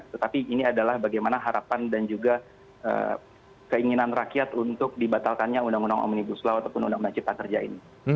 tetapi ini adalah bagaimana harapan dan juga keinginan rakyat untuk dibatalkannya undang undang omnibus law ataupun undang undang cipta kerja ini